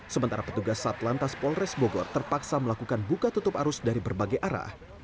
sementara petugas satlantas polres bogor terpaksa melakukan buka tutup arus dari berbagai arah